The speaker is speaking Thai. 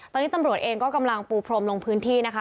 ตอนนี้ตำรวจเองก็กำลังปูพรมลงพื้นที่นะคะ